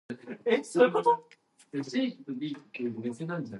During this time, nearby Raleigh experienced a population boom.